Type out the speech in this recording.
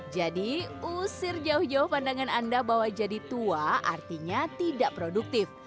jadi usir jauh jauh pandangan anda bahwa jadi tua artinya tidak produktif